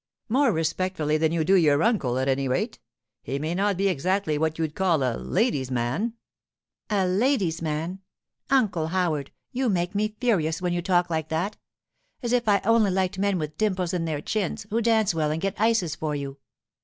'More respectfully than you do your uncle, at any rate. He may not be exactly what you'd call a lady's man——' 'A lady's man! Uncle Howard, you make me furious when you talk like that; as if I only liked men with dimples in their chins, who dance well and get ices for you!